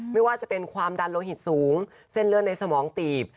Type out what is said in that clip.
ไม่ว่าจะเป็นความดันโลหิตสูงเส้นเลือดในสมองตีบ